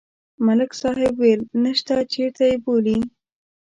ملک صاحب ویل: نشته، چېرته یې بولي؟